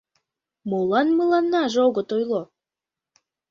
— Молан мыланнаже огыт ойло?